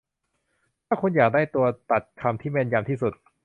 ถ้าคุณอยากได้ตัวตัดคำที่แม่นยำที่สุด